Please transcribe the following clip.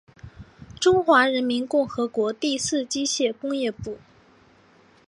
中华人民共和国第四机械工业部。